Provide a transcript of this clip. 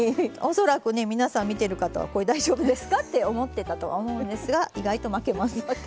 恐らくね皆さん見てる方はこれ大丈夫ですかって思ってたとは思うんですが意外と巻けます。